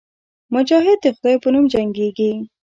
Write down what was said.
مجاهد د خدای په نوم جنګېږي.